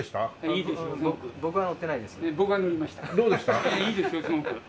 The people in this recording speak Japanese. いいですよすごく。